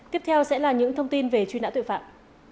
tiếp theo sẽ là những thông tin về truy nã tội phạm